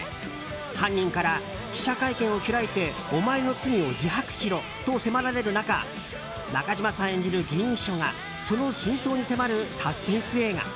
犯人から記者会見を開いてお前の罪を自白しろと迫られる中中島さん演じる議員秘書がその真相に迫るサスペンス映画。